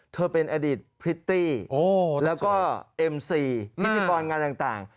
เป็นอดีตพริตตี้แล้วก็เอ็มซีพิธีกรงานต่าง